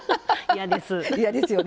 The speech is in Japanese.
嫌ですよね。